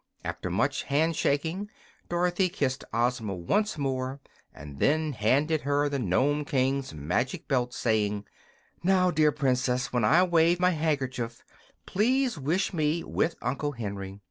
After much hand shaking, Dorothy kissed Ozma once more, and then handed her the Nome King's magic belt, saying: "Now, dear Princess, when I wave my handkerchief, please wish me with Uncle Henry.